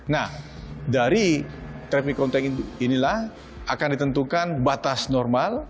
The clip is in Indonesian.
nah dari traffic contain inilah akan ditentukan batas normal